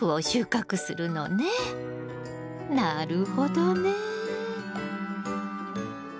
なるほどね。